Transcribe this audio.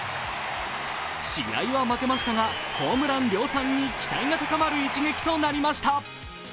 試合は負けましたがホームラン量産に期待がかかる一撃となりました。